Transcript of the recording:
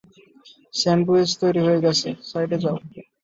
Sandwich তৈরি হয়ে গেছে, সাইডে যাও।